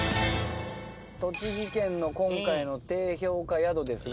栃木県の今回の低評価宿ですが。